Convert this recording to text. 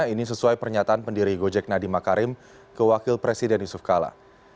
ini sesuai pernyataan pendiri gojek nadiem makarim ke wakil presiden yusuf kala